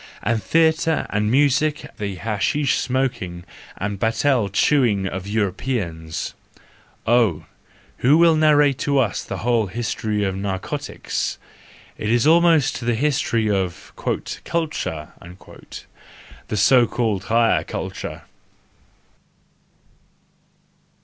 And theatre and music the hashish smoking and betel chewing of Europeans ! Oh, who will narrate to us the whole history of narcotics!—It is almost the history of " culture," the so called higher culture!